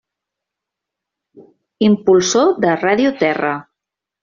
Impulsor de Ràdio Terra.